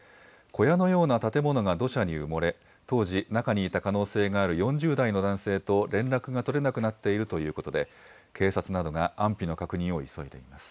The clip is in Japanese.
小屋のような建物が土砂に埋もれ、当時、中にいた可能性がある４０代の男性と連絡が取れなくなっているということで、警察などが安否の確認を急いでいます。